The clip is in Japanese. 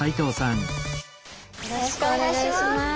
よろしくお願いします。